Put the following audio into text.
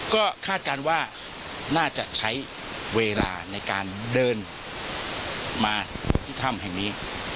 ก็คาดการณ์ว่าน่าจะใช้เวลาในการเดินมาที่ถ้ำแห่งนี้